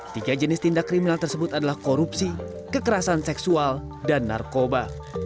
tiga jenis tindak kriminal tersebut adalah korupsi kekerasan seksual dan narkoba